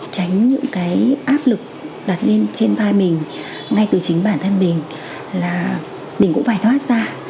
tránh những cái áp lực đặt lên trên vai mình ngay từ chính bản thân mình là mình cũng phải thoát ra